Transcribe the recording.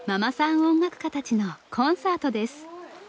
音楽家たちのコンサートです。